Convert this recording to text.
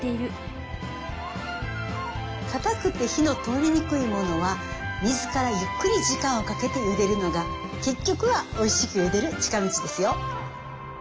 かたくて火の通りにくいものは水からゆっくり時間をかけてゆでるのが結局はおいしくゆでる近道ですよ。